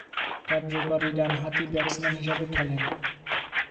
কার্যকরী ডানহাতি ব্যাটসম্যান হিসেবে খেলেন।